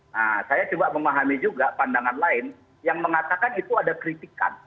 nah saya coba memahami juga pandangan lain yang mengatakan itu ada kritikan